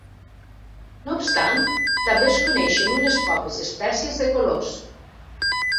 No obstant, també es coneixen unes poques espècies de colors.